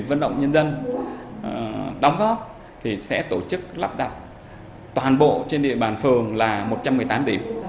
vận động nhân dân đóng góp thì sẽ tổ chức lắp đặt toàn bộ trên địa bàn phường là một trăm một mươi tám điểm